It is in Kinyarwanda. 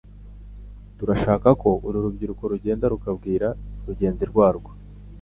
Turashaka ko uru rubyiruko rugenda rukabwira rugenzi rwarwo